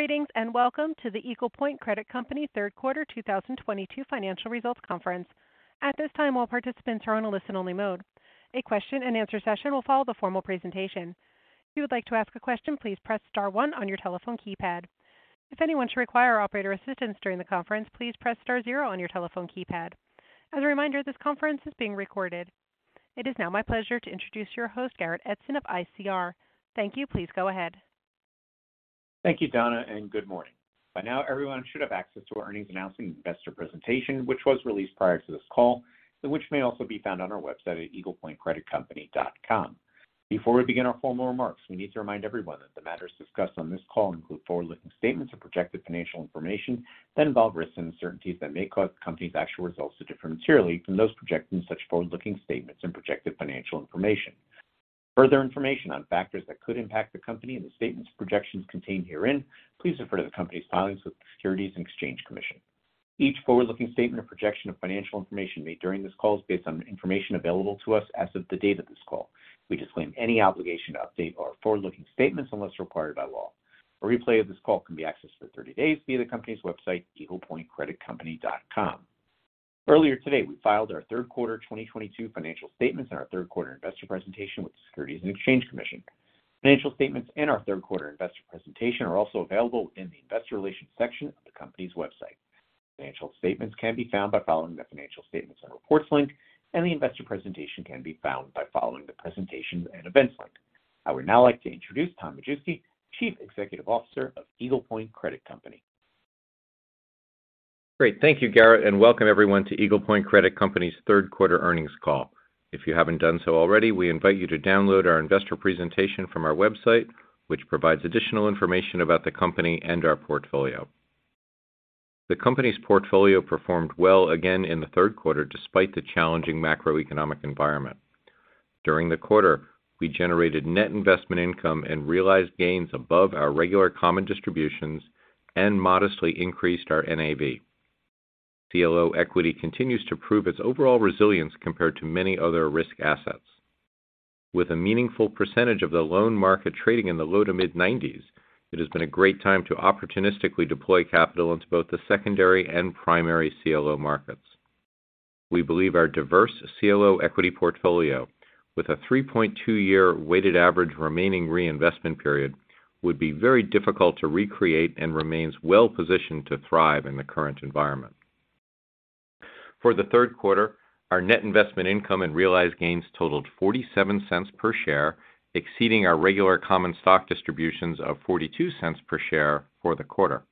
Greetings, and welcome to the Eagle Point Credit Company third quarter 2022 financial results conference. At this time, all participants are on a listen-only mode. A question-and-answer session will follow the formal presentation. If you would like to ask a question, please press star one on your telephone keypad. If anyone should require operator assistance during the conference, please press star zero on your telephone keypad. As a reminder, this conference is being recorded. It is now my pleasure to introduce your host, Garrett Edson of ICR. Thank you. Please go ahead. Thank you, Donna, and good morning. By now, everyone should have access to our earnings announcement investor presentation, which was released prior to this call and which may also be found on our website at eaglepointcreditcompany.com. Before we begin our formal remarks, we need to remind everyone that the matters discussed on this call include forward-looking statements and projected financial information that involve risks and uncertainties that may cause the company's actual results to differ materially from those projected in such forward-looking statements and projected financial information. For further information on factors that could impact the company and the statements projections contained herein, please refer to the company's filings with the Securities and Exchange Commission. Each forward-looking statement or projection of financial information made during this call is based on information available to us as of the date of this call. We disclaim any obligation to update our forward-looking statements unless required by law. A replay of this call can be accessed for 30 days via the company's website, eaglepointcreditcompany.com. Earlier today, we filed our third quarter 2022 financial statements and our third quarter investor presentation with the Securities and Exchange Commission. Financial statements in our third quarter investor presentation are also available in the investor relations section of the company's website. Financial statements can be found by following the Financial Statements & Reports link, and the investor presentation can be found by following the Presentations & Events link. I would now like to introduce Tom Majewski, Chief Executive Officer of Eagle Point Credit Company. Great. Thank you, Garrett, and welcome everyone to Eagle Point Credit Company's third quarter earnings call. If you haven't done so already, we invite you to download our investor presentation from our website, which provides additional information about the company and our portfolio. The company's portfolio performed well again in the third quarter, despite the challenging macroeconomic environment. During the quarter, we generated net investment income and realized gains above our regular common distributions and modestly increased our NAV. CLO equity continues to prove its overall resilience compared to many other risk assets. With a meaningful percentage of the loan market trading in the low to mid-nineties, it has been a great time to opportunistically deploy capital into both the secondary and primary CLO markets. We believe our diverse CLO equity portfolio with a 3.2-year weighted average remaining reinvestment period would be very difficult to recreate and remains well positioned to thrive in the current environment. For the third quarter, our net investment income and realized gains totaled $0.47 per share, exceeding our regular common stock distributions of $0.42 per share for the quarter.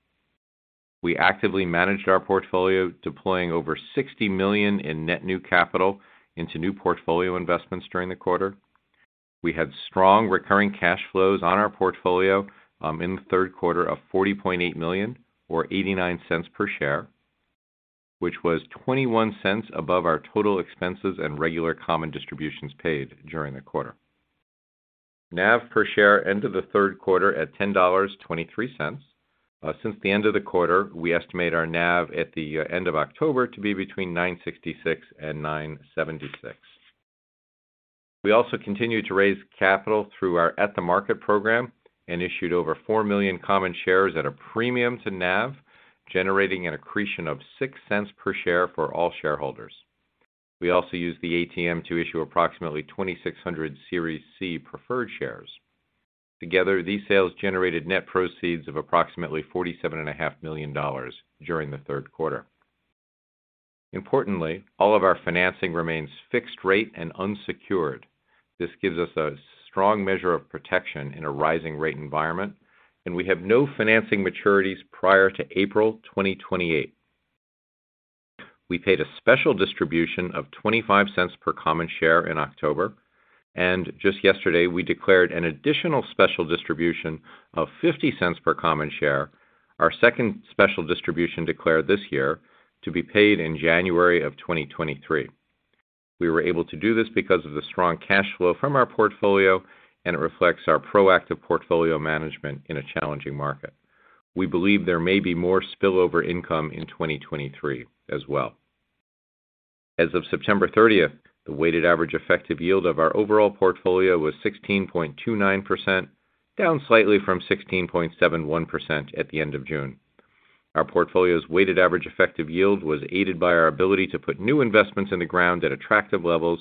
We actively managed our portfolio, deploying over $60 million in net new capital into new portfolio investments during the quarter. We had strong recurring cash flows on our portfolio in the third quarter of $40.8 million or $0.89 per share, which was $0.21 above our total expenses and regular common distributions paid during the quarter. NAV per share ended the third quarter at $10.23. Since the end of the quarter, we estimate our NAV at the end of October to be between $9.66 and $9.76. We also continued to raise capital through our at-the-market program and issued over 4 million common shares at a premium to NAV, generating an accretion of $0.06 per share for all shareholders. We also used the ATM to issue approximately 2,600 Series C preferred shares. Together, these sales generated net proceeds of approximately $47.5 million during the third quarter. Importantly, all of our financing remains fixed rate and unsecured. This gives us a strong measure of protection in a rising rate environment, and we have no financing maturities prior to April 2028. We paid a special distribution of $0.25 per common share in October, and just yesterday, we declared an additional special distribution of $0.50 per common share. Our second special distribution declared this year to be paid in January of 2023. We were able to do this because of the strong cash flow from our portfolio, and it reflects our proactive portfolio management in a challenging market. We believe there may be more spillover income in 2023 as well. As of September thirtieth, the weighted average effective yield of our overall portfolio was 16.29%, down slightly from 16.71% at the end of June. Our portfolio's weighted average effective yield was aided by our ability to put new investments in the ground at attractive levels,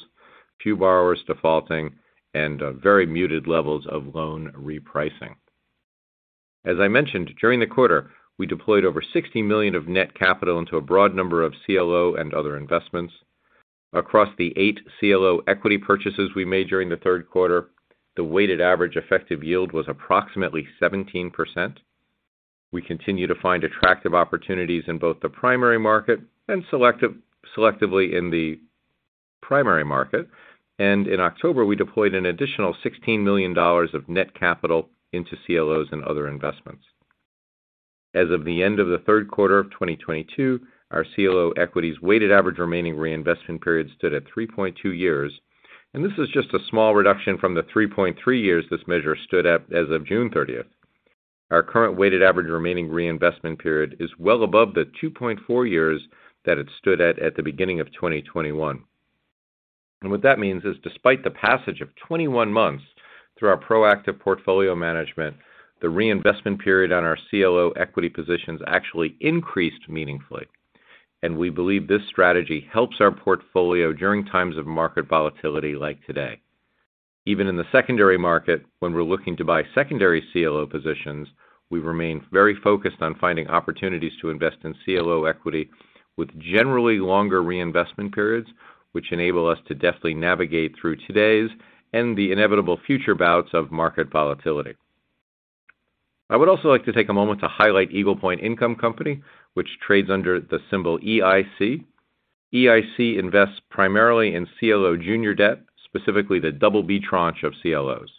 few borrowers defaulting, and very muted levels of loan repricing. As I mentioned during the quarter, we deployed over $60 million of net capital into a broad number of CLO and other investments. Across the eight CLO equity purchases we made during the third quarter, the weighted average effective yield was approximately 17%. We continue to find attractive opportunities in both the primary market and selectively in the primary market. In October, we deployed an additional $16 million of net capital into CLOs and other investments. As of the end of the third quarter of 2022, our CLO equity's weighted average remaining reinvestment period stood at 3.2 years, and this is just a small reduction from the 3.3 years this measure stood at as of June 30. Our current weighted average remaining reinvestment period is well above the 2.4 years that it stood at at the beginning of 2021. What that means is despite the passage of 21 months through our proactive portfolio management, the reinvestment period on our CLO equity positions actually increased meaningfully. We believe this strategy helps our portfolio during times of market volatility like today. Even in the secondary market, when we're looking to buy secondary CLO positions, we remain very focused on finding opportunities to invest in CLO equity with generally longer reinvestment periods, which enable us to deftly navigate through today's and the inevitable future bouts of market volatility. I would also like to take a moment to highlight Eagle Point Income Company, which trades under the symbol EIC. EIC invests primarily in CLO junior debt, specifically the BB tranche of CLOs.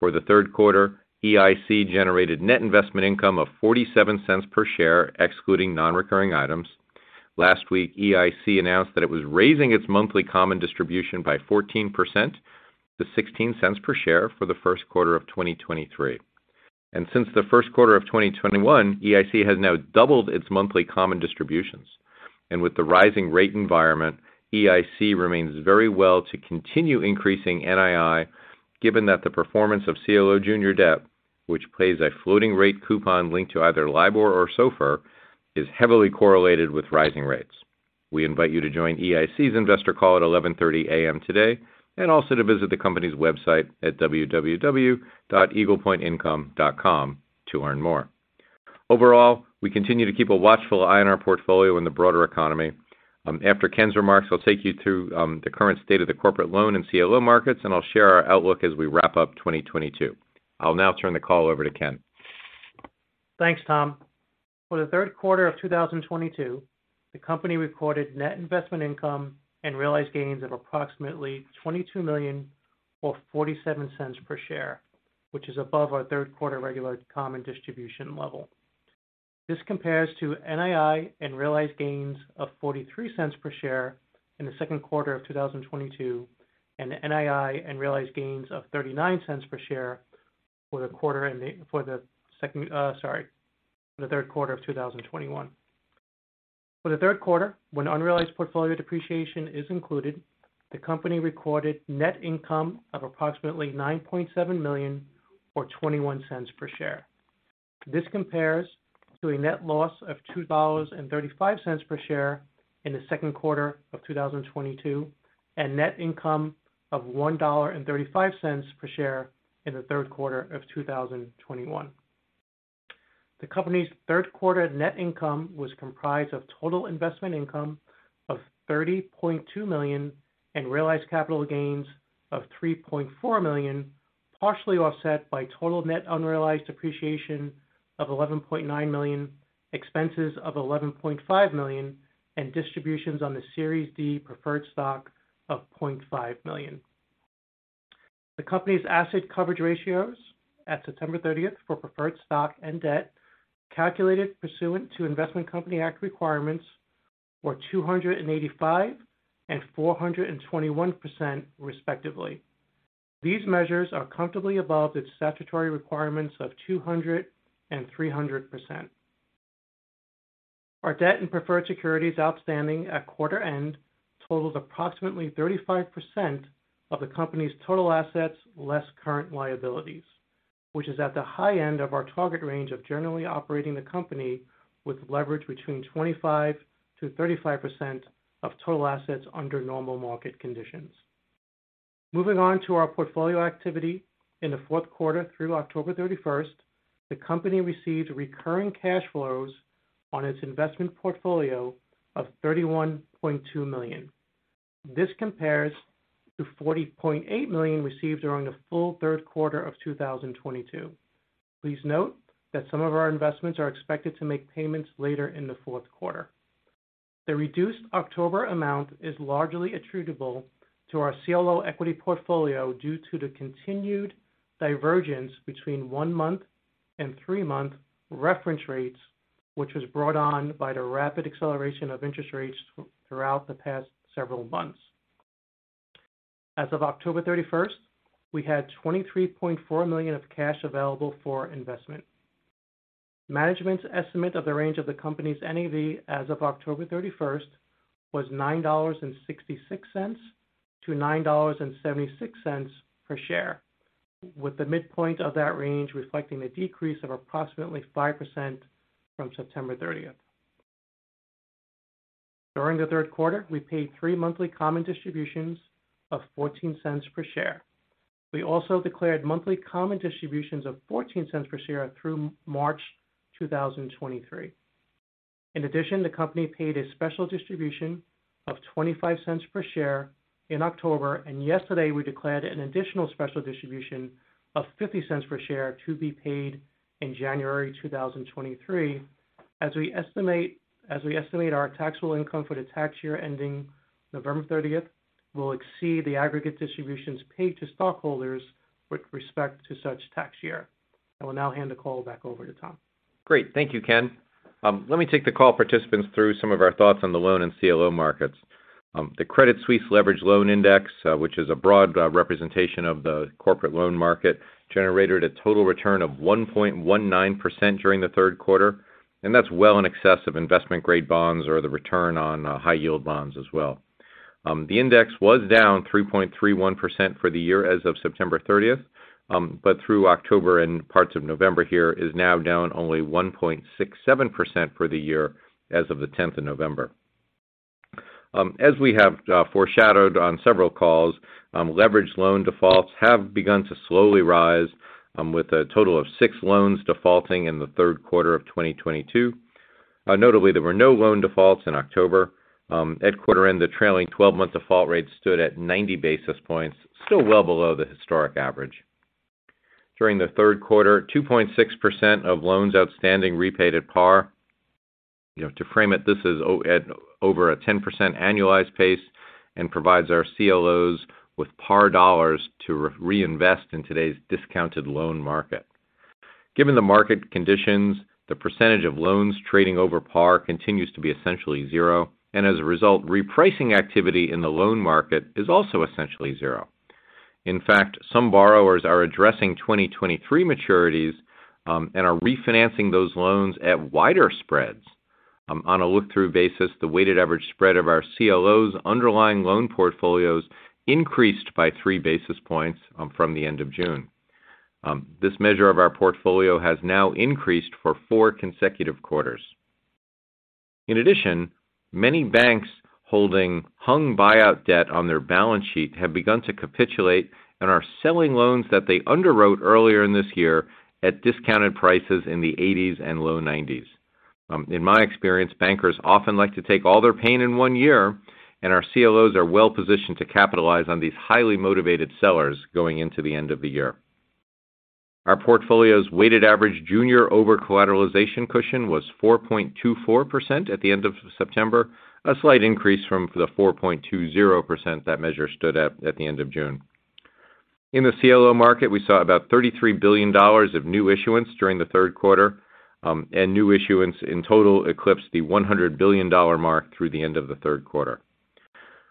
For the third quarter, EIC generated net investment income of $0.47 per share, excluding non-recurring items. Last week, EIC announced that it was raising its monthly common distribution by 14% to $0.16 per share for the first quarter of 2023. Since the first quarter of 2021, EIC has now doubled its monthly common distributions. With the rising rate environment, EIC remains very well to continue increasing NII, given that the performance of CLO junior debt, which pays a floating rate coupon linked to either LIBOR or SOFR, is heavily correlated with rising rates. We invite you to join EIC's investor call at 11:30 A.M. today, and also to visit the company's website at www.eaglepointincome.com to learn more. Overall, we continue to keep a watchful eye on our portfolio in the broader economy. After Ken's remarks, he'll take you through the current state of the corporate loan and CLO markets, and I'll share our outlook as we wrap up 2022. I'll now turn the call over to Ken. Thanks, Tom. For the third quarter of 2022, the company recorded net investment income and realized gains of approximately $22 million or $0.47 per share, which is above our third quarter regular common distribution level. This compares to NII and realized gains of $0.43 per share in the second quarter of 2022, and NII and realized gains of $0.39 per share for the third quarter of 2021. For the third quarter, when unrealized portfolio depreciation is included, the company recorded net income of approximately $9.7 million or $0.21 per share. This compares to a net loss of $2.35 per share in the second quarter of 2022, and net income of $1.35 per share in the third quarter of 2021. The company's third quarter net income was comprised of total investment income of $30.2 million and realized capital gains of $3.4 million, partially offset by total net unrealized appreciation of $11.9 million, expenses of $11.5 million, and distributions on the Series D preferred stock of $0.5 million. The company's asset coverage ratios at September 30 for preferred stock and debt, calculated pursuant to Investment Company Act requirements, were 285% and 421%, respectively. These measures are comfortably above its statutory requirements of 200% and 300%. Our debt and preferred securities outstanding at quarter end totals approximately 35% of the company's total assets less current liabilities, which is at the high end of our target range of generally operating the company with leverage between 25%-35% of total assets under normal market conditions. Moving on to our portfolio activity. In the fourth quarter through October 31st, the company received recurring cash flows on its investment portfolio of $31.2 million. This compares to $40.8 million received during the full third quarter of 2022. Please note that some of our investments are expected to make payments later in the fourth quarter. The reduced October amount is largely attributable to our CLO equity portfolio due to the continued divergence between one-month and three-month reference rates, which was brought on by the rapid acceleration of interest rates throughout the past several months. As of October 31st, we had $23.4 million of cash available for investment. Management's estimate of the range of the company's NAV as of October 31st was $9.66-$9.76 per share, with the midpoint of that range reflecting a decrease of approximately 5% from September 30th. During the third quarter, we paid three monthly common distributions of $0.14 per share. We also declared monthly common distributions of $0.14 per share through March 2023. In addition, the company paid a special distribution of $0.25 per share in October, and yesterday we declared an additional special distribution of $0.50 per share to be paid in January 2023, as we estimate our taxable income for the tax year ending November 30 will exceed the aggregate distributions paid to stockholders with respect to such tax year. I will now hand the call back over to Tom. Great. Thank you, Ken. Let me take the call participants through some of our thoughts on the loan and CLO markets. The Credit Suisse Leveraged Loan Index, which is a broad representation of the corporate loan market, generated a total return of 1.19% during the third quarter, and that's well in excess of investment-grade bonds or the return on high-yield bonds as well. The index was down 3.31% for the year as of September 30, but through October and parts of November here is now down only 1.67% for the year as of November 10. As we have foreshadowed on several calls, leverage loan defaults have begun to slowly rise, with a total of six loans defaulting in the third quarter of 2022. Notably, there were no loan defaults in October. At quarter end, the trailing twelve-month default rate stood at 90 basis points, still well below the historic average. During the third quarter, 2.6% of loans outstanding repaid at par. You know, to frame it, this is at over a 10% annualized pace and provides our CLOs with par dollars to reinvest in today's discounted loan market. Given the market conditions, the percentage of loans trading over par continues to be essentially zero, and as a result, repricing activity in the loan market is also essentially zero. In fact, some borrowers are addressing 2023 maturities, and are refinancing those loans at wider spreads. On a look-through basis, the weighted average spread of our CLOs underlying loan portfolios increased by 3 basis points, from the end of June. This measure of our portfolio has now increased for four consecutive quarters. In addition, many banks holding hung buyout debt on their balance sheet have begun to capitulate and are selling loans that they underwrote earlier in this year at discounted prices in the eighties and low nineties. In my experience, bankers often like to take all their pain in one year, and our CLOs are well-positioned to capitalize on these highly motivated sellers going into the end of the year. Our portfolio's weighted average junior overcollateralization cushion was 4.24% at the end of September, a slight increase from the 4.20% that measure stood at the end of June. In the CLO market, we saw about $33 billion of new issuance during the third quarter, and new issuance in total eclipsed the $100 billion mark through the end of the third quarter.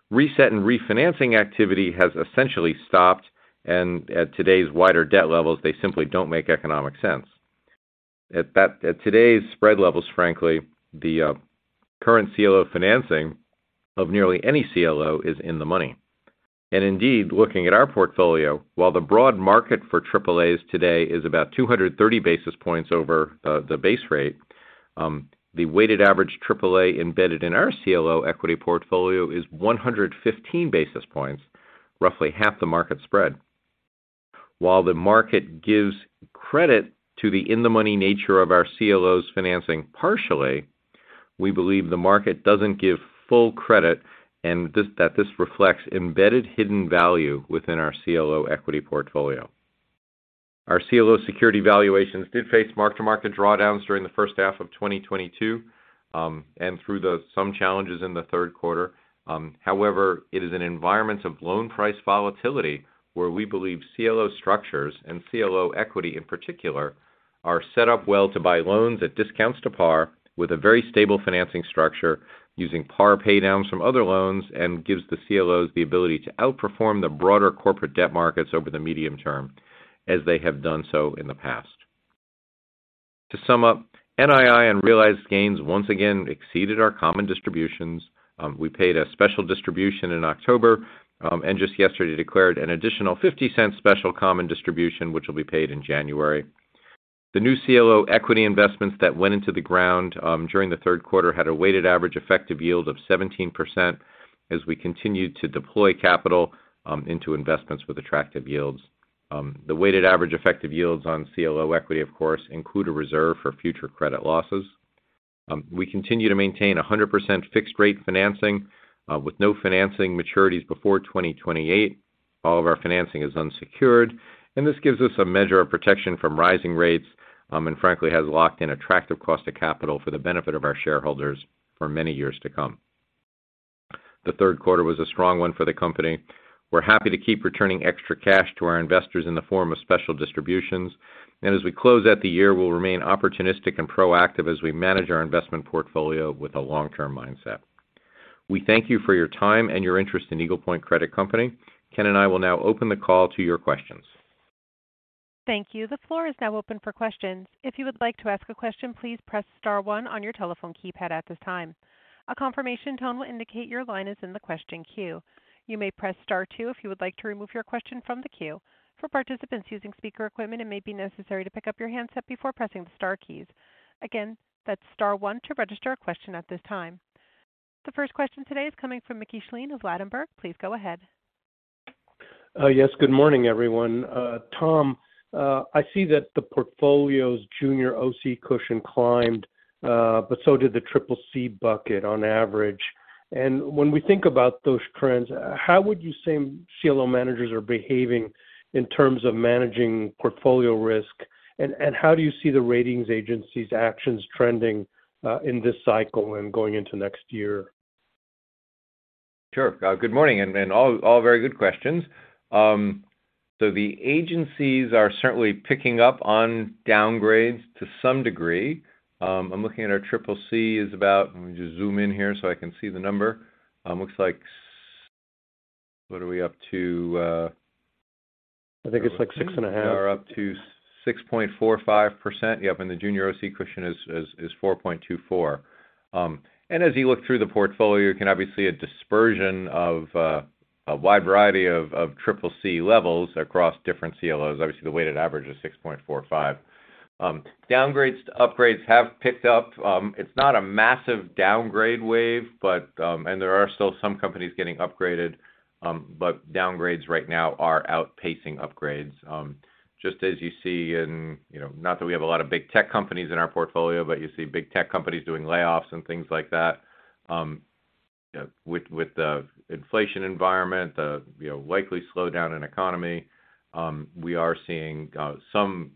Reset and refinancing activity has essentially stopped, and at today's wider debt levels, they simply don't make economic sense. At today's spread levels, frankly, the current CLO financing of nearly any CLO is in the money. Indeed, looking at our portfolio, while the broad market for AAAs today is about 230 basis points over the base rate, the weighted average AAA embedded in our CLO equity portfolio is 115 basis points, roughly half the market spread. While the market gives credit to the in-the-money nature of our CLOs financing partially, we believe the market doesn't give full credit and that this reflects embedded hidden value within our CLO equity portfolio. Our CLO security valuations did face mark-to-market drawdowns during the first half of 2022 and through some challenges in the third quarter. However, it is an environment of loan price volatility where we believe CLO structures and CLO equity in particular are set up well to buy loans at discounts to par with a very stable financing structure using par pay downs from other loans and gives the CLOs the ability to outperform the broader corporate debt markets over the medium term, as they have done so in the past. To sum up, NII and realized gains once again exceeded our common distributions. We paid a special distribution in October, and just yesterday declared an additional $0.50 special common distribution which will be paid in January. The new CLO equity investments that went into the ground during the third quarter had a weighted average effective yield of 17% as we continued to deploy capital into investments with attractive yields. The weighted average effective yields on CLO equity, of course, include a reserve for future credit losses. We continue to maintain 100% fixed rate financing with no financing maturities before 2028. All of our financing is unsecured, and this gives us a measure of protection from rising rates, and frankly has locked in attractive cost of capital for the benefit of our shareholders for many years to come. The third quarter was a strong one for the company. We're happy to keep returning extra cash to our investors in the form of special distributions. As we close out the year, we'll remain opportunistic and proactive as we manage our investment portfolio with a long-term mindset. We thank you for your time and your interest in Eagle Point Credit Company. Ken and I will now open the call to your questions. Thank you. The floor is now open for questions. If you would like to ask a question, please press star one on your telephone keypad at this time. A confirmation tone will indicate your line is in the question queue. You may press star two if you would like to remove your question from the queue. For participants using speaker equipment, it may be necessary to pick up your handset before pressing the star keys. Again, that's star one to register a question at this time. The first question today is coming from Mickey Schleien of Ladenburg Thalmann. Please go ahead. Yes. Good morning, everyone. Tom, I see that the portfolio's junior OC cushion climbed, but so did the CCC bucket on average. When we think about those trends, how would you say CLO managers are behaving in terms of managing portfolio risk? How do you see the rating agencies' actions trending, in this cycle and going into next year? Sure. Good morning, and all very good questions. The agencies are certainly picking up on downgrades to some degree. I'm looking at our CCC is about. Let me just zoom in here so I can see the number. Looks like what are we up to, I think it's like 6.5. We are up to 6.45%. Yep, and the junior OC cushion is 4.24. And as you look through the portfolio, you can obviously see a dispersion of a wide variety of CCC levels across different CLOs. Obviously, the weighted average is 6.45. Downgrades to upgrades have picked up. It's not a massive downgrade wave, but. There are still some companies getting upgraded, but downgrades right now are outpacing upgrades. Just as you see in, you know, not that we have a lot of big tech companies in our portfolio, but you see big tech companies doing layoffs and things like that. With the inflation environment, you know, likely slowdown in economy, we are seeing some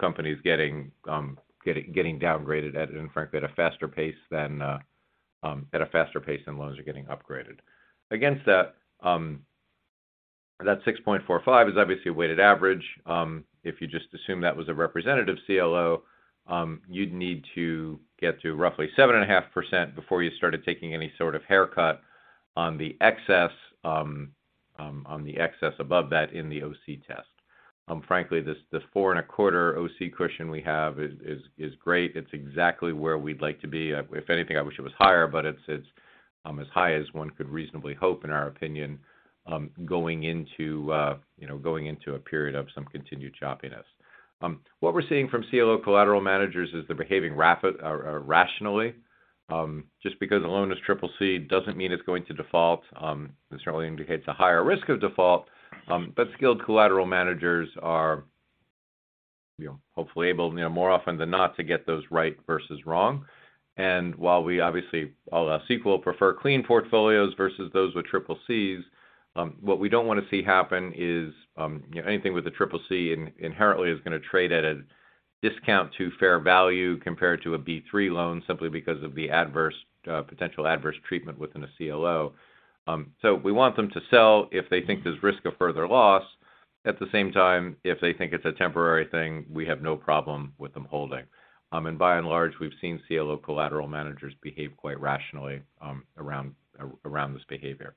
companies getting downgraded, and frankly, at a faster pace than loans are getting upgraded. Against that 6.45 is obviously a weighted average. If you just assume that was a representative CLO, you'd need to get to roughly 7.5% before you started taking any sort of haircut on the excess above that in the OC test. Frankly, the 4.25 OC cushion we have is great. It's exactly where we'd like to be. If anything, I wish it was higher, but it's as high as one could reasonably hope, in our opinion, going into, you know, going into a period of some continued choppiness. What we're seeing from CLO collateral managers is they're behaving rationally. Just because a loan is CCC doesn't mean it's going to default. It certainly indicates a higher risk of default, but skilled collateral managers are, you know, hopefully able, you know, more often than not, to get those right versus wrong. While CLOs prefer clean portfolios versus those with CCCs, what we don't wanna see happen is anything with a CCC inherently is gonna trade at a discount to fair value compared to a B3 loan simply because of the adverse potential adverse treatment within a CLO. So we want them to sell if they think there's risk of further loss. At the same time, if they think it's a temporary thing, we have no problem with them holding. By and large, we've seen CLO collateral managers behave quite rationally around this behavior.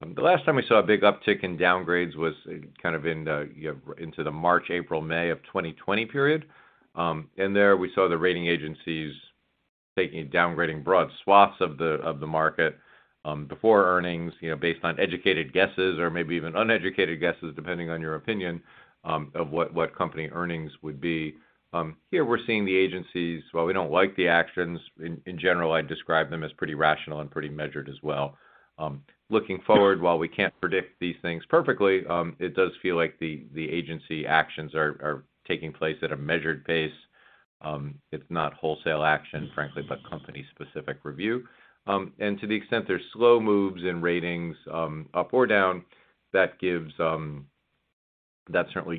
The last time we saw a big uptick in downgrades was kind of into the March, April, May of 2020 period. In there, we saw the rating agencies taking, downgrading broad swaths of the market before earnings, you know, based on educated guesses or maybe even uneducated guesses, depending on your opinion, of what company earnings would be. Here, we're seeing the agencies. While we don't like the actions, in general, I'd describe them as pretty rational and pretty measured as well. Looking forward, while we can't predict these things perfectly, it does feel like the agency actions are taking place at a measured pace. It's not wholesale action, frankly, but company-specific review. To the extent there's slow moves in ratings, up or down, that certainly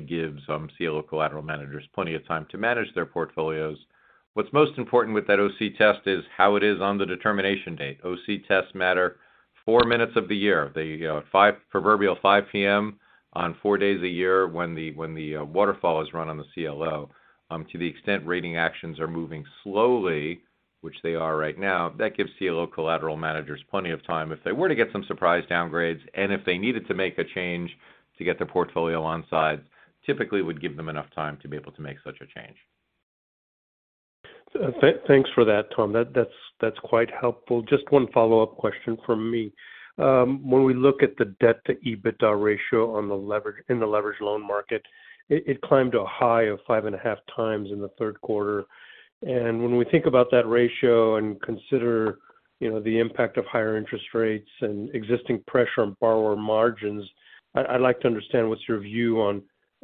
gives CLO collateral managers plenty of time to manage their portfolios. What's most important with that OC test is how it is on the determination date. OC tests matter 4x a year. They, proverbial 5 P.M. on four days a year when the waterfall is run on the CLO. To the extent rating actions are moving slowly, which they are right now, that gives CLO collateral managers plenty of time. If they were to get some surprise downgrades and if they needed to make a change to get their portfolio on side, typically would give them enough time to be able to make such a change. Thanks for that, Tom. That's quite helpful. Just one follow-up question from me. When we look at the debt to EBITDA ratio in the leverage loan market, it climbed to a high of 5.5x in the third quarter. When we think about that ratio and consider, you know, the impact of higher interest rates and existing pressure on borrower margins, I'd like to understand what's your view on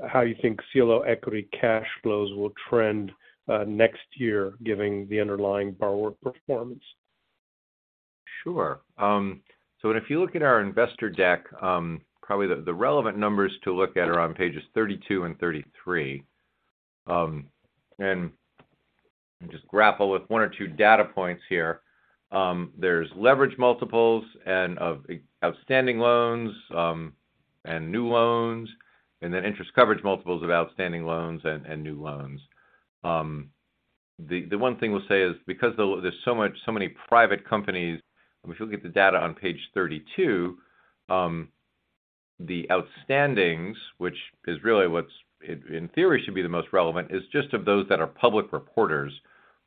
how you think CLO equity cash flows will trend next year given the underlying borrower performance. Sure. If you look at our investor deck, probably the relevant numbers to look at are on pages 32 and 33. Just grapple with one or two data points here. There's leverage multiples of outstanding loans and new loans, and then interest coverage multiples of outstanding loans and new loans. The one thing we'll say is because there's so much, so many private companies. I mean, if you look at the data on page 32, the outstandings, which is really what's in theory should be the most relevant, is just of those that are public reporters.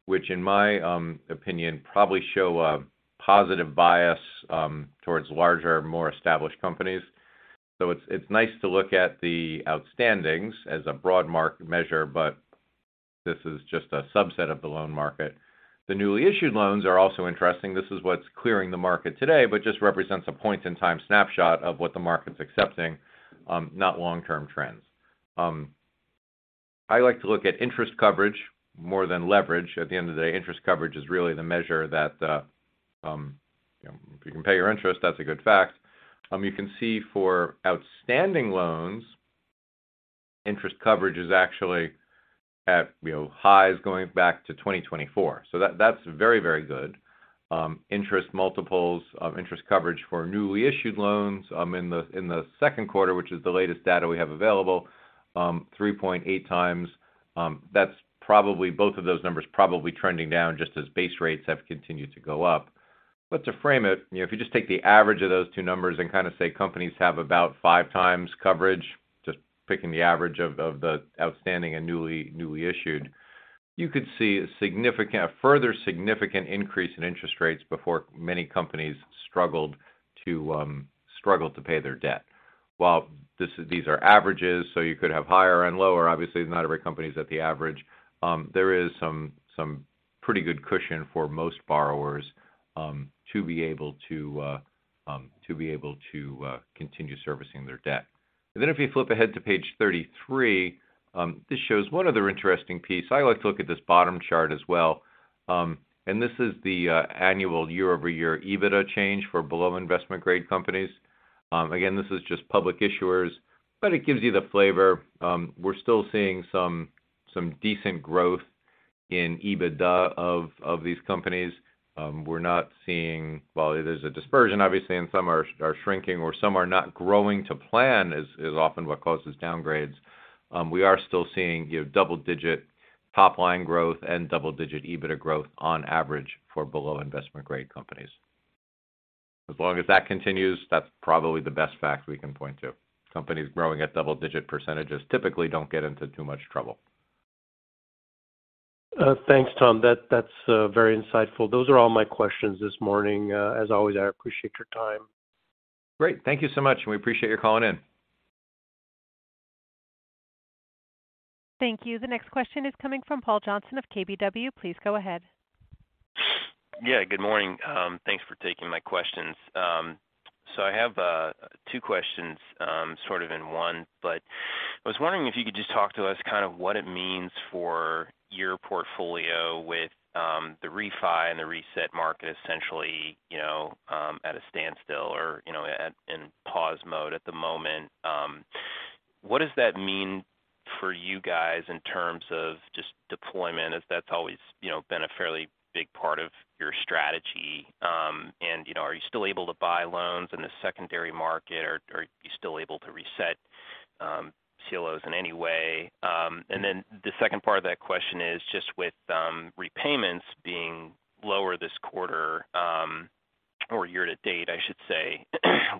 Which in my opinion, probably show a positive bias towards larger, more established companies. It's nice to look at the outstandings as a broad measure, but this is just a subset of the loan market. The newly issued loans are also interesting. This is what's clearing the market today, but just represents a point-in-time snapshot of what the market's accepting, not long-term trends. I like to look at interest coverage more than leverage. At the end of the day, interest coverage is really the measure that, you know, if you can pay your interest, that's a good fact. You can see for outstanding loans, interest coverage is actually at, you know, highs going back to 2024. That's very, very good. Interest coverage multiples for newly issued loans, in the second quarter, which is the latest data we have available, 3.8x. That's probably both of those numbers trending down just as base rates have continued to go up. To frame it, you know, if you just take the average of those two numbers and kind of say companies have about 5x coverage, just picking the average of the outstanding and newly issued, you could see a further significant increase in interest rates before many companies struggled to pay their debt. These are averages, so you could have higher and lower. Obviously, not every company is at the average. There is some pretty good cushion for most borrowers to be able to continue servicing their debt. Then if you flip ahead to page 33, this shows one other interesting piece. I like to look at this bottom chart as well. This is the annual year-over-year EBITDA change for below investment grade companies. Again, this is just public issuers, but it gives you the flavor. We're still seeing some decent growth in EBITDA of these companies. We're not seeing, while there's a dispersion, obviously, and some are shrinking or some are not growing to plan, is often what causes downgrades. We are still seeing, you know, double digit top line growth and double digit EBITDA growth on average for below investment grade companies. As long as that continues, that's probably the best fact we can point to. Companies growing at double digit percentages typically don't get into too much trouble. Thanks, Tom. That's very insightful. Those are all my questions this morning. As always, I appreciate your time. Great. Thank you so much, and we appreciate your calling in. Thank you. The next question is coming from Paul Johnson of KBW. Please go ahead. Yeah, good morning. Thanks for taking my questions. So I have two questions, sort of in one. I was wondering if you could just talk to us kind of what it means for your portfolio with the refi and the reset market essentially, you know, at a standstill or, you know, in pause mode at the moment. What does that mean for you guys in terms of just deployment, as that's always, you know, been a fairly big part of your strategy? And, you know, are you still able to buy loans in the secondary market, or are you still able to reset CLOs in any way? The second part of that question is just with repayments being lower this quarter, or year to date, I should say,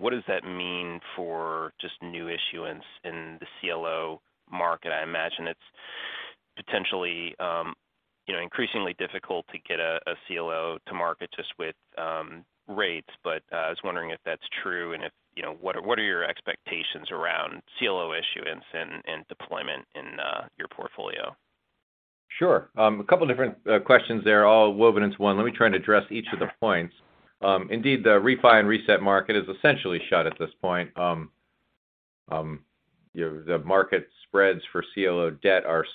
what does that mean for just new issuance in the CLO market? I imagine it's potentially, you know, increasingly difficult to get a CLO to market just with rates. I was wondering if that's true, and if, you know, what are your expectations around CLO issuance and deployment in your portfolio? Sure. A couple different questions there all woven into one. Let me try and address each of the points. Indeed, the refi and reset market is essentially shut at this point. You know, the market spreads for CLO debt are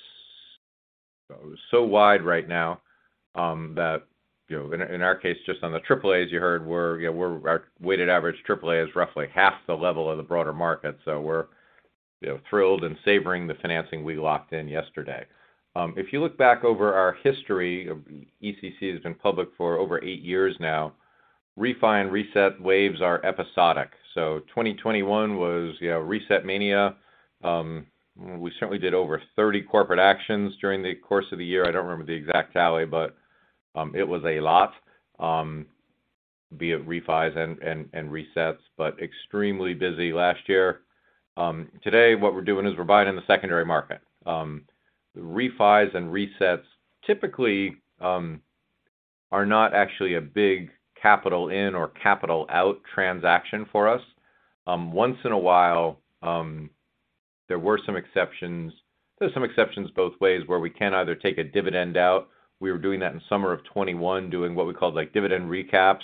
so wide right now, that, you know, in our case, just on the AAAs you heard, we're, you know, our weighted average AAA is roughly half the level of the broader market. We're, you know, thrilled and savoring the financing we locked in yesterday. If you look back over our history, ECC has been public for over eight years now. Refi and reset waves are episodic. 2021 was, you know, reset mania. We certainly did over 30 corporate actions during the course of the year. I don't remember the exact tally, but it was a lot, be it refis and resets, but extremely busy last year. Today what we're doing is we're buying in the secondary market. Refis and resets typically are not actually a big capital in or capital out transaction for us. Once in a while, there were some exceptions. There's some exceptions both ways where we can either take a dividend out. We were doing that in summer of 2021, doing what we called like dividend recaps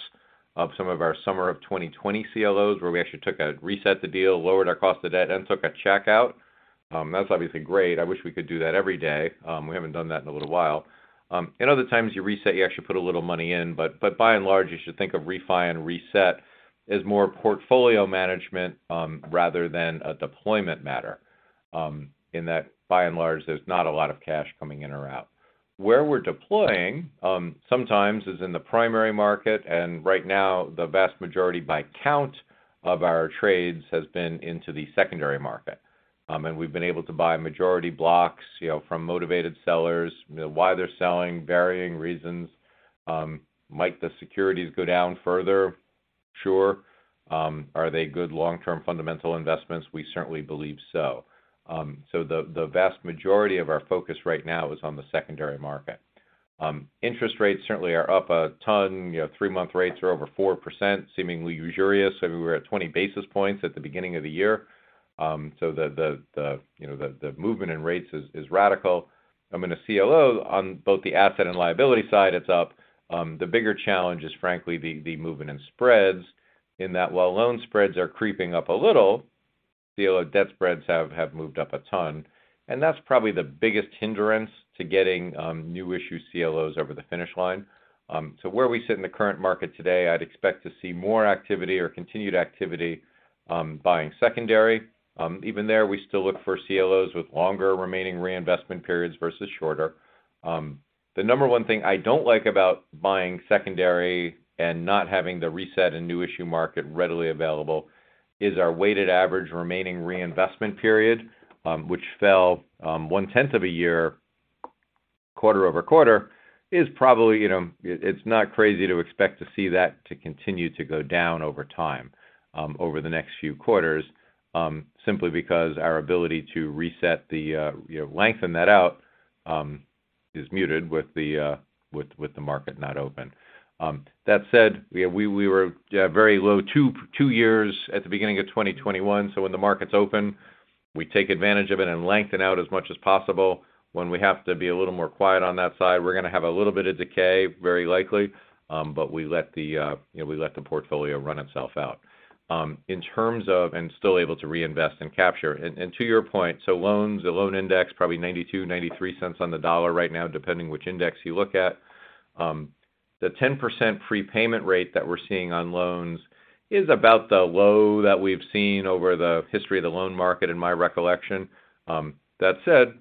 of some of our summer of 2020 CLOs, where we actually took a reset, the deal, lowered our cost of debt, and took a check out. That's obviously great. I wish we could do that every day. We haven't done that in a little while. Other times you reset, you actually put a little money in. But by and large, you should think of refi and reset as more portfolio management, rather than a deployment matter, in that by and large, there's not a lot of cash coming in or out. Where we're deploying, sometimes is in the primary market, and right now the vast majority by count of our trades has been into the secondary market. We've been able to buy majority blocks, you know, from motivated sellers. You know, why they're selling, varying reasons. Might the securities go down further? Sure. The vast majority of our focus right now is on the secondary market. Interest rates certainly are up a ton. You know, three-month rates are over 4%, seemingly usurious. We were at 20 basis points at the beginning of the year. You know, the movement in rates is radical. In a CLO on both the asset and liability side, it's up. The bigger challenge is frankly the movement in spreads in that while loan spreads are creeping up a little, CLO debt spreads have moved up a ton. That's probably the biggest hindrance to getting new issue CLOs over the finish line. Where we sit in the current market today, I'd expect to see more activity or continued activity buying secondary. Even there, we still look for CLOs with longer remaining reinvestment periods versus shorter. The number one thing I don't like about buying secondary and not having the reset and new issue market readily available is our weighted average remaining reinvestment period, which fell one-tenth of a year, quarter-over-quarter. It is probably, you know, not crazy to expect to see that to continue to go down over time, over the next few quarters, simply because our ability to reset the, you know, lengthen that out is muted with the market not open. That said, we were very low two years at the beginning of 2021. When the market's open, we take advantage of it and lengthen out as much as possible. When we have to be a little more quiet on that side, we're gonna have a little bit of decay, very likely, but we let the portfolio run itself out. You know, still able to reinvest and capture. To your point, so loans, the loan index probably $0.92-$0.93 on the dollar right now, depending which index you look at. The 10% prepayment rate that we're seeing on loans is about the low that we've seen over the history of the loan market in my recollection. That said,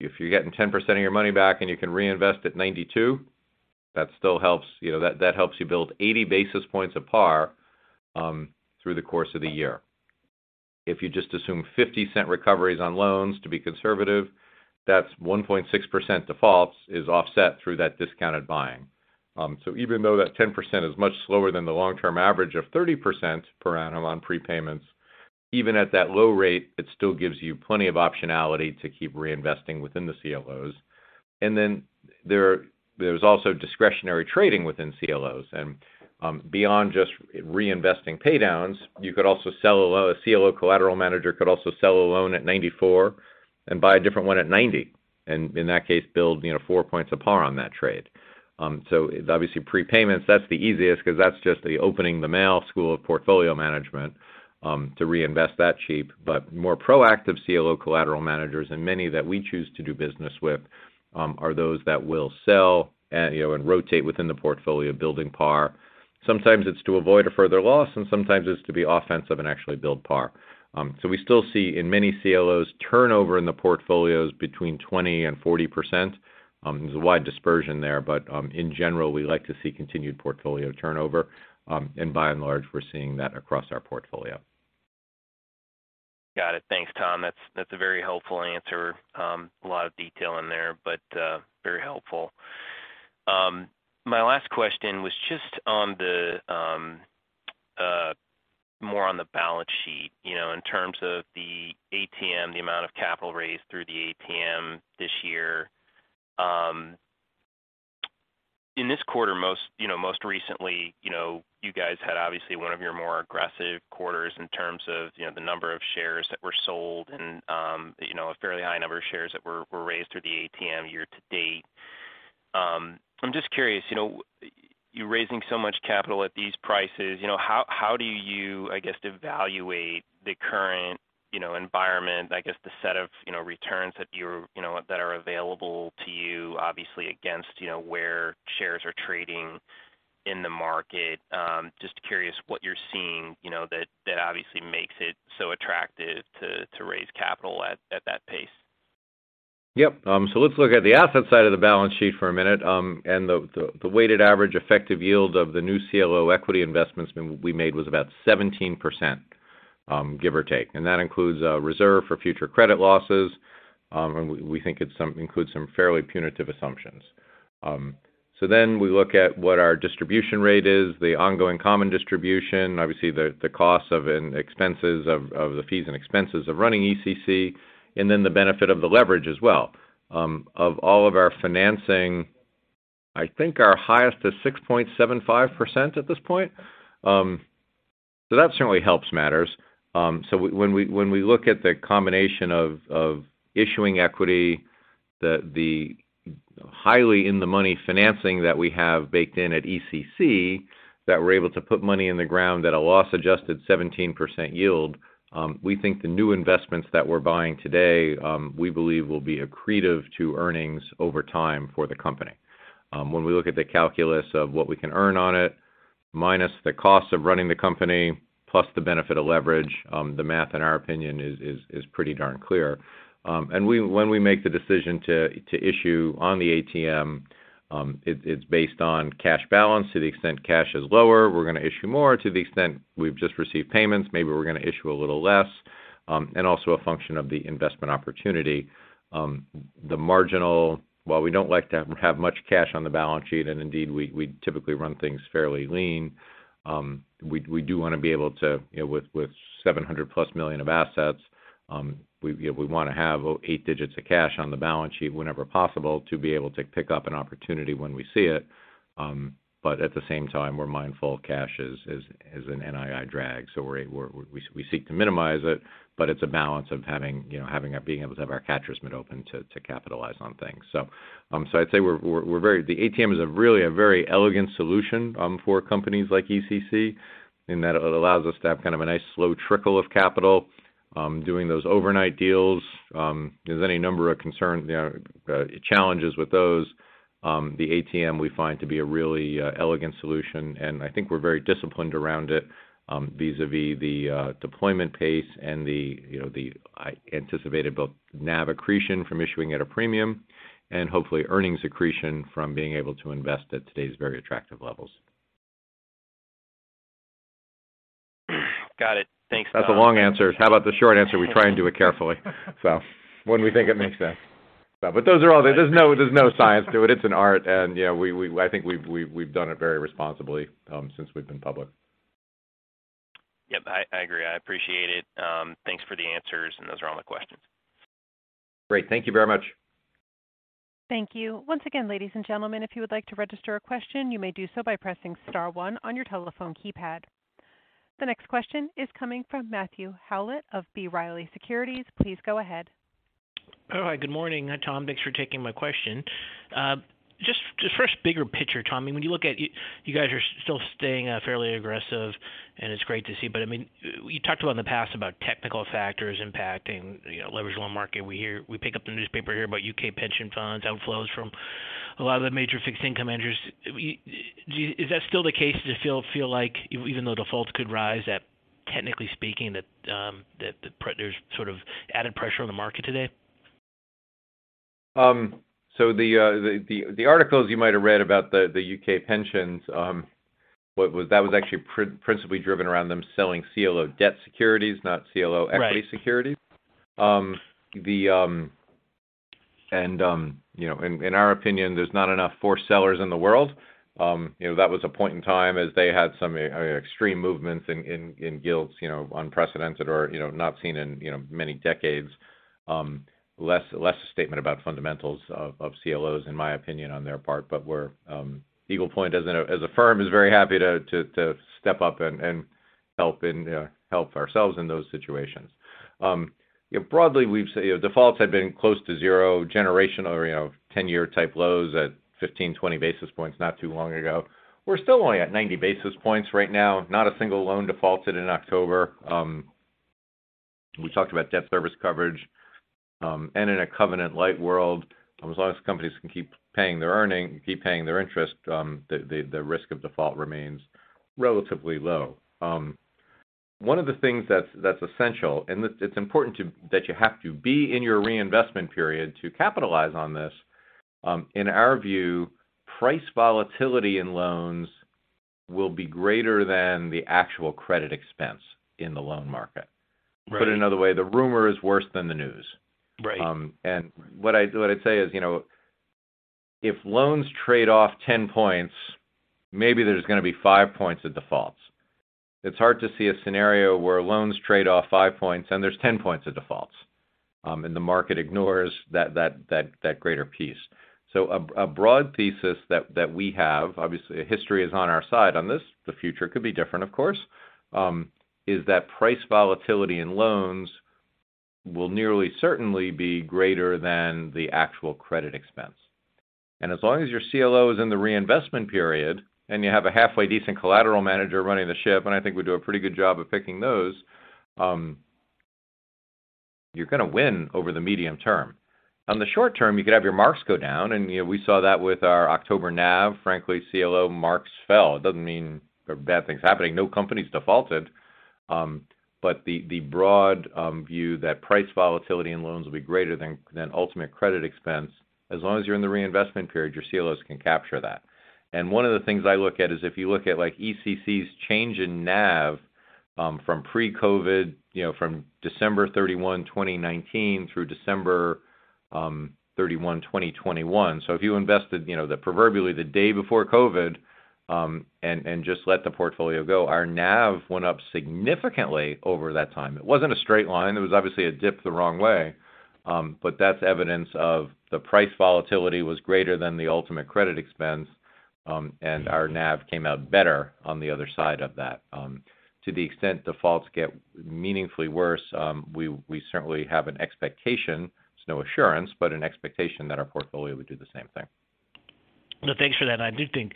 if you're getting 10% of your money back and you can reinvest at $0.92, that still helps. You know, that helps you build 80 basis points of par through the course of the year. If you just assume $0.50 recoveries on loans to be conservative, that's 1.6% defaults is offset through that discounted buying. Even though that 10% is much slower than the long-term average of 30% per annum on prepayments, even at that low rate, it still gives you plenty of optionality to keep reinvesting within the CLOs. There's also discretionary trading within CLOs. Beyond just reinvesting pay downs, you could also sell a CLO collateral manager could also sell a loan at 94 and buy a different one at 90 and in that case, build, you know, 4 points of par on that trade. Obviously prepayments, that's the easiest 'cause that's just the opening the mail school of portfolio management to reinvest that cheap. More proactive CLO collateral managers and many that we choose to do business with are those that will sell, you know, and rotate within the portfolio building par. Sometimes it's to avoid a further loss, and sometimes it's to be offensive and actually build par. We still see in many CLOs turnover in the portfolios between 20% and 40%. There's a wide dispersion there, but in general, we like to see continued portfolio turnover. By and large, we're seeing that across our portfolio. Got it. Thanks, Tom. That's a very helpful answer. A lot of detail in there, but very helpful. My last question was just on the balance sheet, you know, in terms of the ATM, the amount of capital raised through the ATM this year. In this quarter, most recently, you know, you guys had obviously one of your more aggressive quarters in terms of, you know, the number of shares that were sold and, you know, a fairly high number of shares that were raised through the ATM year to date. I'm just curious, you know, you're raising so much capital at these prices, you know, how do you, I guess, evaluate the current, you know, environment, I guess the set of, you know, returns that you're, you know, that are available to you obviously against, you know, where shares are trading in the market? Just curious what you're seeing, you know, that obviously makes it so attractive to raise capital at that pace. Let's look at the asset side of the balance sheet for a minute. The weighted average effective yield of the new CLO equity investments we made was about 17%, give or take. That includes reserve for future credit losses, and we think it includes some fairly punitive assumptions. We look at what our distribution rate is, the ongoing common distribution, obviously the costs and expenses of the fees and expenses of running ECC and then the benefit of the leverage as well. Of all of our financing, I think our highest is 6.75% at this point. That certainly helps matters. When we look at the combination of issuing equity, the highly in the money financing that we have baked in at ECC, that we're able to put money in the ground at a loss-adjusted 17% yield, we think the new investments that we're buying today, we believe will be accretive to earnings over time for the company. When we look at the calculus of what we can earn on it, minus the cost of running the company, plus the benefit of leverage, the math in our opinion is pretty darn clear. When we make the decision to issue on the ATM, it's based on cash balance. To the extent cash is lower, we're gonna issue more. To the extent we've just received payments, maybe we're gonna issue a little less, and also a function of the investment opportunity. While we don't like to have much cash on the balance sheet, and indeed we typically run things fairly lean, we do wanna be able to, you know, with $700+ million of assets, you know, we wanna have eight digits of cash on the balance sheet whenever possible to be able to pick up an opportunity when we see it. But at the same time, we're mindful of cash as an NII drag. We seek to minimize it, but it's a balance of having, you know, being able to have our catcher's mitt open to capitalize on things. I'd say the ATM is a really very elegant solution for companies like ECC in that it allows us to have kind of a nice slow trickle of capital doing those overnight deals. There's any number of concerns, you know, challenges with those. The ATM we find to be a really elegant solution, and I think we're very disciplined around it vis-à-vis the deployment pace and the, you know, the anticipated both NAV accretion from issuing at a premium and hopefully earnings accretion from being able to invest at today's very attractive levels. Got it. Thanks, Tom. That's a long answer. How about the short answer? We try and do it carefully. When we think it makes sense. Those are all. There's no science to it. It's an art. You know, I think we've done it very responsibly, since we've been public. Yep. I agree. I appreciate it. Thanks for the answers. Those are all the questions. Great. Thank you very much. Thank you. Once again, ladies and gentlemen, if you would like to register a question, you may do so by pressing star one on your telephone keypad. The next question is coming from Matthew Howlett of B. Riley Securities. Please go ahead. All right. Good morning, Tom. Thanks for taking my question. Just first bigger picture, Tom, I mean, when you look at you guys are still staying fairly aggressive, and it's great to see. I mean, you talked about in the past about technical factors impacting, you know, leveraged loan market. We pick up the newspaper here about U.K. pension funds, outflows from a lot of the major fixed income managers. Is that still the case? Does it feel like even though defaults could rise, that technically speaking, that there's sort of added pressure on the market today? The articles you might have read about the U.K. pensions was that was actually principally driven around them selling CLO debt securities, not CLO. Right. equity securities. You know, in our opinion, there's not enough sellers in the world. You know, that was a point in time as they had some extreme movements in gilts, you know, unprecedented or, you know, not seen in, you know, many decades. Less a statement about fundamentals of CLOs, in my opinion, on their part. Eagle Point as a firm is very happy to step up and help ourselves in those situations. You know, broadly, defaults have been close to zero, generational, you know, ten-year type lows at 15, 20 basis points not too long ago. We're still only at 90 basis points right now. Not a single loan defaulted in October. We talked about debt service coverage. In a covenant-light world, as long as companies can keep paying their interest, the risk of default remains relatively low. One of the things that's essential, and it's important that you have to be in your reinvestment period to capitalize on this. In our view, price volatility in loans will be greater than the actual credit events in the loan market. Right. Put another way, the rumor is worse than the news. Right. What I'd say is, you know, if loans trade off 10 points, maybe there's gonna be 5 points of defaults. It's hard to see a scenario where loans trade off 5 points and there's 10 points of defaults, and the market ignores that greater piece. A broad thesis that we have, obviously history is on our side on this, the future could be different, of course, is that price volatility in loans will nearly certainly be greater than the actual credit expense. As long as your CLO is in the reinvestment period and you have a halfway decent collateral manager running the ship, and I think we do a pretty good job of picking those, you're gonna win over the medium term. On the short term, you could have your marks go down, and, you know, we saw that with our October NAV. Frankly, CLO marks fell. It doesn't mean there are bad things happening. No company's defaulted. But the broad view that price volatility in loans will be greater than ultimate credit events. As long as you're in the reinvestment period, your CLOs can capture that. One of the things I look at is if you look at like ECC's change in NAV, from pre-COVID, you know, from December 31, 2019 through December 31, 2021. If you invested, you know, the proverbial day before COVID, and just let the portfolio go, our NAV went up significantly over that time. It wasn't a straight line. There was obviously a dip the wrong way. That's evidence of the price volatility was greater than the ultimate credit expense, and our NAV came out better on the other side of that. To the extent defaults get meaningfully worse, we certainly have an expectation. It's no assurance, but an expectation that our portfolio would do the same thing. No, thanks for that. I do think,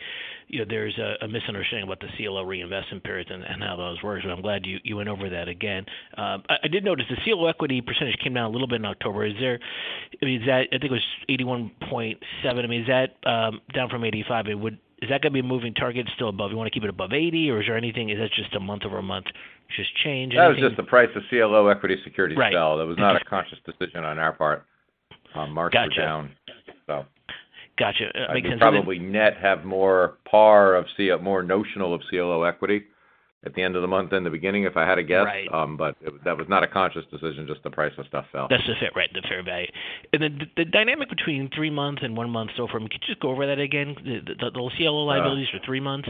you know, there's a misunderstanding about the CLO reinvestment period and how those work. I'm glad you went over that again. I did notice the CLO equity percentage came down a little bit in October. I mean, is that. I think it was 81.7%. I mean, is that down from 85%? Is that gonna be a moving target still above? You wanna keep it above 80 or is there anything, is that just a month-over-month just change anything? That was just the price of CLO equity securities sell. Right. That was not a conscious decision on our part. Gotcha. Markets were down, so. Got you. We probably net have more notional of CLO equity at the end of the month than the beginning, if I had to guess. Right. that was not a conscious decision, just the price of stuff fell. That's the fair value, right? The dynamic between three months and one month SOFR, could you just go over that again, the CLO liabilities for three months,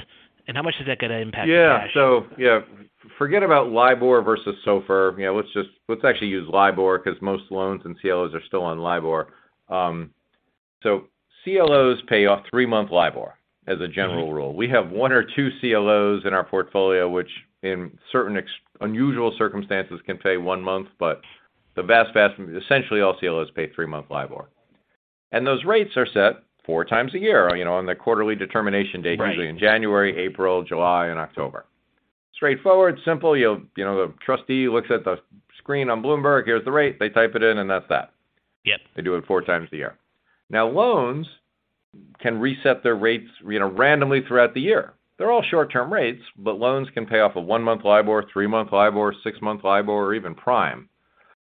and how much is that gonna impact the cash? Forget about LIBOR versus SOFR. You know, let's actually use LIBOR 'cause most loans and CLOs are still on LIBOR. CLOs pay off three-month LIBOR as a general rule. Right. We have one or two CLOs in our portfolio, which in certain unusual circumstances can pay one month, but the vast. Essentially all CLOs pay three-month LIBOR. Those rates are set four times a year, you know, on the quarterly determination date. Right. Usually in January, April, July and October. Straightforward, simple. You'll, you know, the trustee looks at the screen on Bloomberg, here's the rate. They type it in, and that's that. Yep. They do it four times a year. Now, loans can reset their rates, you know, randomly throughout the year. They're all short-term rates, but loans can pay off a one-month LIBOR, three-month LIBOR, six-month LIBOR or even prime.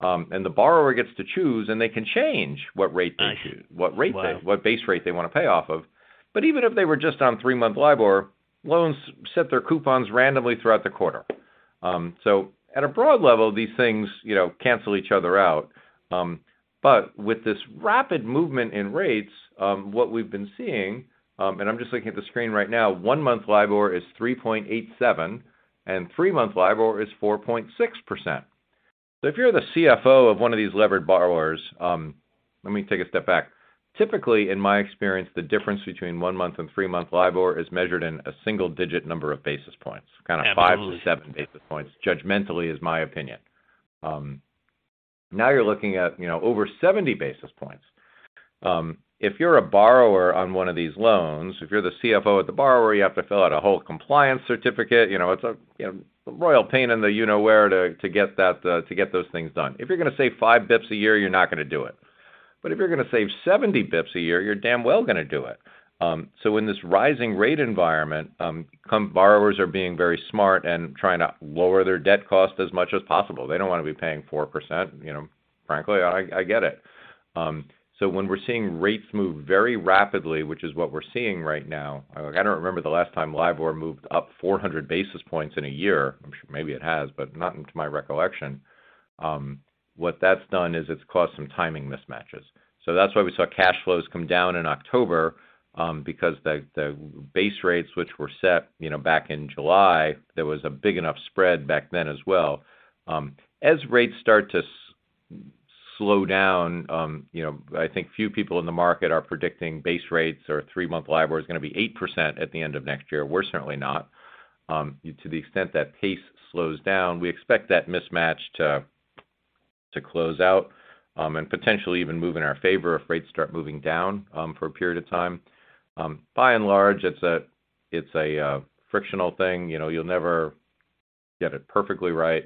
The borrower gets to choose, and they can change what rate they choose. Nice. Wow. What base rate they want to pay off of. Even if they were just on three-month LIBOR, loans set their coupons randomly throughout the quarter. So at a broad level, these things, you know, cancel each other out. With this rapid movement in rates, what we've been seeing, and I'm just looking at the screen right now, one-month LIBOR is 3.87%, and three-month LIBOR is 4.6%. If you're the CFO of one of these levered borrowers, let me take a step back. Typically, in my experience, the difference between one-month and three-month LIBOR is measured in a single digit number of basis points. Absolutely. Kind of 5 basis points-7 basis points, judgmentally is my opinion. Now you're looking at, you know, over 70 basis points. If you're a borrower on one of these loans, if you're the CFO of the borrower, you have to fill out a whole compliance certificate. You know, it's a, you know, royal pain in the you know where to get that to get those things done. If you're gonna save 5 bps a year, you're not gonna do it. But if you're gonna save 70 bps a year, you're damn well gonna do it. In this rising rate environment, borrowers are being very smart and trying to lower their debt cost as much as possible. They don't wanna be paying 4%. You know, frankly, I get it. When we're seeing rates move very rapidly, which is what we're seeing right now. Like, I don't remember the last time LIBOR moved up 400 basis points in a year. I'm sure maybe it has, but not to my recollection. What that's done is it's caused some timing mismatches. That's why we saw cash flows come down in October, because the base rates which were set, you know, back in July, there was a big enough spread back then as well. As rates start to slow down, you know, I think few people in the market are predicting base rates or three-month LIBOR is gonna be 8% at the end of next year. We're certainly not. To the extent that pace slows down, we expect that mismatch to close out, and potentially even move in our favor if rates start moving down, for a period of time. By and large, it's a frictional thing. You know, you'll never get it perfectly right.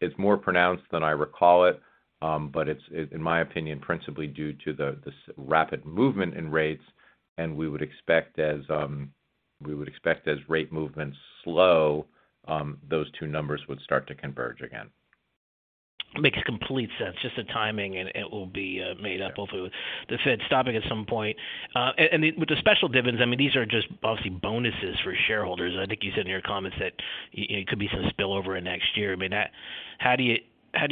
It's more pronounced than I recall it, but it's in my opinion, principally due to this rapid movement in rates, and we would expect as rate movements slow, those two numbers would start to converge again. Makes complete sense. Just the timing and it will be made up hopefully with the Fed stopping at some point. With the special dividends, I mean, these are just obviously bonuses for shareholders. I think you said in your comments that it could be some spillover in next year. I mean, that. How do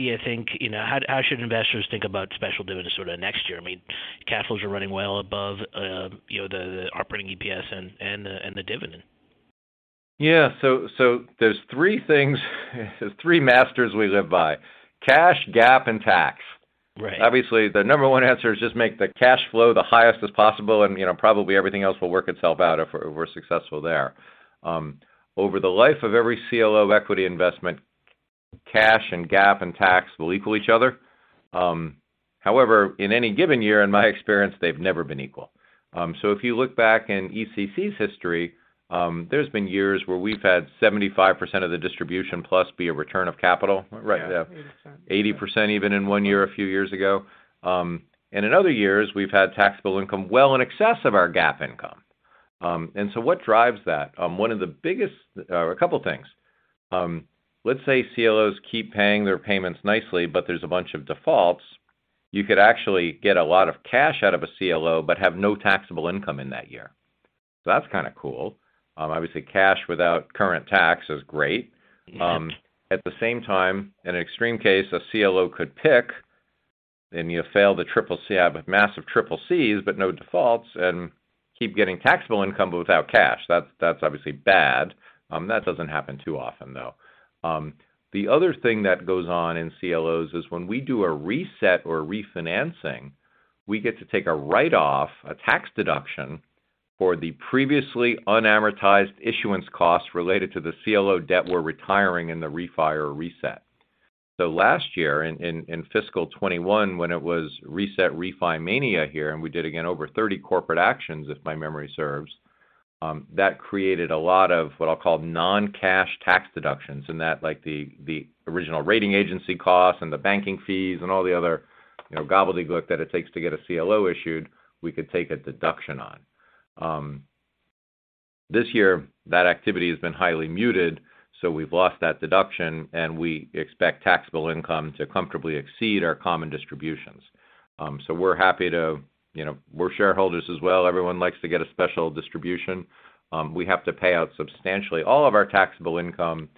you think, you know, how should investors think about special dividends sort of next year? I mean, cash flows are running well above, you know, the operating EPS and the dividend. Yeah. There's three masters we live by cash, GAAP and tax. Right. Obviously, the number one answer is just make the cash flow the highest as possible and, you know, probably everything else will work itself out if we're successful there. Over the life of every CLO equity investment, cash and GAAP and tax will equal each other. However, in any given year, in my experience, they've never been equal. If you look back in ECC's history, there's been years where we've had 75% of the distribution being a return of capital. Right. Yeah. 80% even in one year a few years ago. In other years, we've had taxable income well in excess of our GAAP income. What drives that? A couple things. Let's say CLOs keep paying their payments nicely, but there's a bunch of defaults. You could actually get a lot of cash out of a CLO, but have no taxable income in that year. That's kinda cool. Obviously, cash without current tax is great. Yeah. At the same time, in an extreme case, a CLO could have massive CCCs but no defaults and keep getting taxable income but without cash. That's obviously bad. That doesn't happen too often, though. The other thing that goes on in CLOs is when we do a reset or refinancing, we get to take a write-off, a tax deduction for the previously unamortized issuance costs related to the CLO debt we're retiring in the refi or reset. Last year in fiscal 2021 when it was reset refi mania here, and we did again over 30 corporate actions, if my memory serves, that created a lot of what I'll call non-cash tax deductions in that, like the original rating agency costs and the banking fees and all the other, you know, gobbledygook that it takes to get a CLO issued, we could take a deduction on. This year, that activity has been highly muted, so we've lost that deduction, and we expect taxable income to comfortably exceed our common distributions. We're happy to. You know, we're shareholders as well. Everyone likes to get a special distribution. We have to pay out substantially all of our taxable income,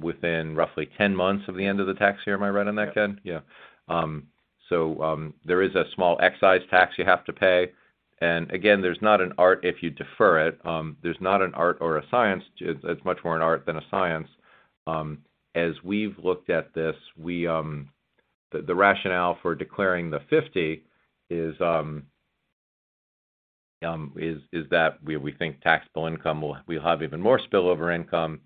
within roughly 10 months of the end of the tax year. Am I right on that, Ken? Yeah. Yeah, there is a small excise tax you have to pay. Again, there's not an art or a science. It's much more an art than a science. As we've looked at this, the rationale for declaring the 50 is that we think taxable income will—we'll have even more spillover income.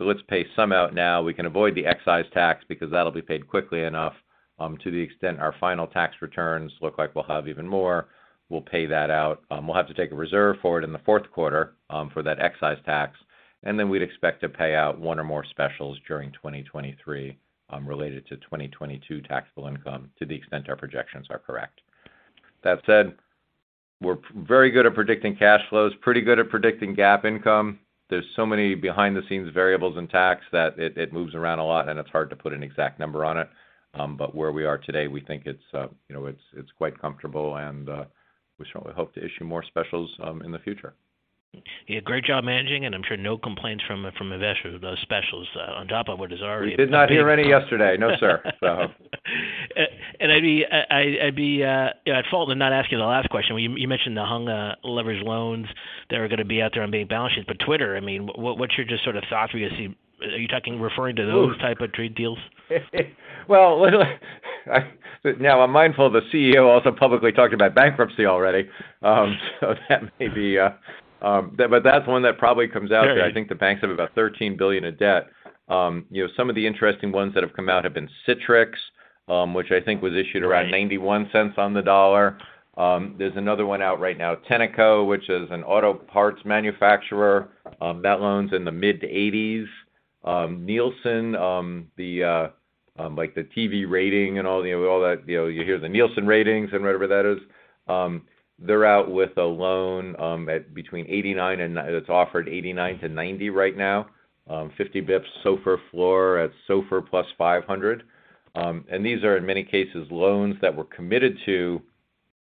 Let's pay some out now. We can avoid the excise tax because that'll be paid quickly enough. To the extent our final tax returns look like we'll have even more, we'll pay that out. We'll have to take a reserve for it in the fourth quarter for that excise tax, and then we'd expect to pay out one or more specials during 2023, related to 2022 taxable income to the extent our projections are correct. That said, we're very good at predicting cash flows, pretty good at predicting GAAP income. There's so many behind-the-scenes variables in tax that it moves around a lot, and it's hard to put an exact number on it. But where we are today, we think it's you know, it's quite comfortable and we certainly hope to issue more specials in the future. Yeah, great job managing, and I'm sure no complaints from investors with those specials on top of what is already- We did not hear any yesterday. No, sir. I'd be, you know, at fault to not ask you the last question. Well, you mentioned the hung leveraged loans that are gonna be out there on bank balance sheets Twitter, I mean, what's your just sort of thought for you? Are you talking, referring to those- Ooh. Type of trade deals? Well, look, now I'm mindful of the CEO also publicly talking about bankruptcy already. That may be. That's one that probably comes out there. Very. I think the banks have about $13 billion of debt. You know, some of the interesting ones that have come out have been Citrix, which I think was issued around- Right. $0.91 on the dollar. There's another one out right now, Tenneco, which is an auto parts manufacturer. That loan's in the mid-80s. Nielsen, the, like, the TV rating and all, you know, all that. You know, you hear the Nielsen ratings and whatever that is. They're out with a loan that's offered 89-90 right now. 50 bps, SOFR floor at SOFR plus 500. These are in many cases loans that were committed to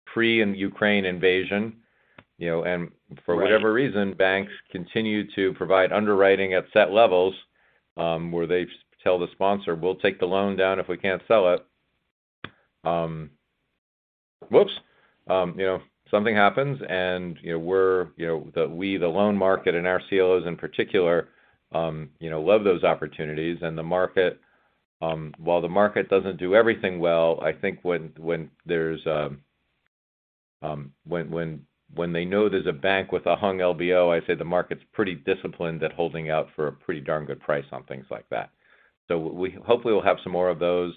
pre-Ukraine invasion, you know. For whatever reason- Right. Banks continue to provide underwriting at set levels, where they tell the sponsor, "We'll take the loan down if we can't sell it." Whoops. You know, something happens and, you know, we're, you know, we, the loan market and our CLOs in particular, you know, love those opportunities. The market, while the market doesn't do everything well, I think when there's, when they know there's a bank with a hung LBO, I'd say the market's pretty disciplined at holding out for a pretty darn good price on things like that. Hopefully we'll have some more of those.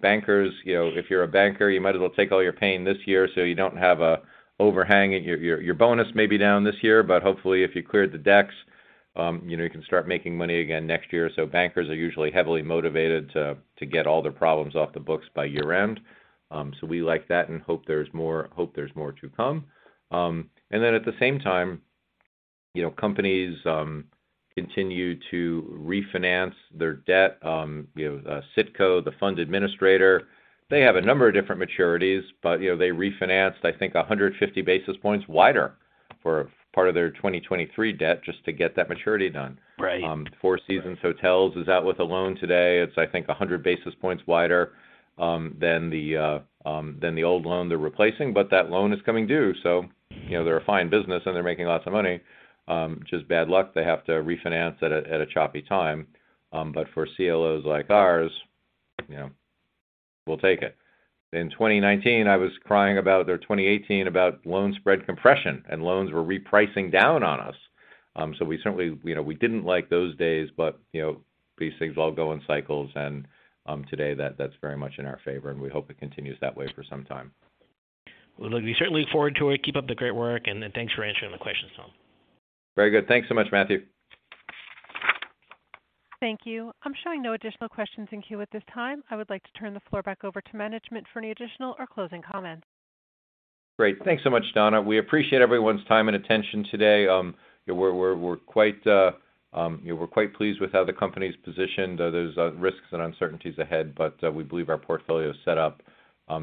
Bankers, you know, if you're a banker, you might as well take all your pain this year, so you don't have an overhang. Your bonus may be down this year, but hopefully, if you cleared the decks, you know, you can start making money again next year. Bankers are usually heavily motivated to get all their problems off the books by year-end. We like that and hope there's more to come. At the same time, you know, companies continue to refinance their debt. You have Citco, the fund administrator. They have a number of different maturities, but, you know, they refinanced, I think, 150 basis points wider for part of their 2023 debt just to get that maturity done. Right. Four Seasons Hotels is out with a loan today. It's I think 100 basis points wider than the old loan they're replacing. That loan is coming due, so, you know, they're a fine business and they're making lots of money. Just bad luck they have to refinance at a choppy time. For CLOs like ours, you know, we'll take it. In 2019, I was crying about their 2018 about loan spread compression, and loans were repricing down on us. We certainly, you know, we didn't like those days, but, you know, these things all go in cycles and, today, that's very much in our favor, and we hope it continues that way for some time. Well, look, we certainly look forward to it. Keep up the great work and then thanks for answering the questions, Tom. Very good. Thanks so much, Matthew. Thank you. I'm showing no additional questions in queue at this time. I would like to turn the floor back over to management for any additional or closing comments. Great. Thanks so much, Donna. We appreciate everyone's time and attention today. You know, we're quite pleased with how the company's positioned. There's risks and uncertainties ahead, but we believe our portfolio is set up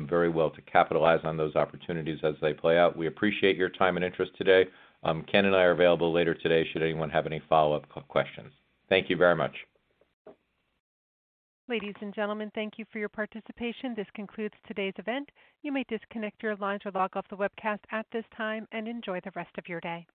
very well to capitalize on those opportunities as they play out. We appreciate your time and interest today. Ken and I are available later today should anyone have any follow-up questions. Thank you very much. Ladies and gentlemen, thank you for your participation. This concludes today's event. You may disconnect your lines or log off the webcast at this time, and enjoy the rest of your day.